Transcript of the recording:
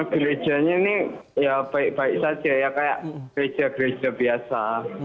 gerejanya ini ya baik baik saja ya kayak gereja gereja biasa